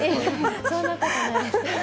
そんなことないです。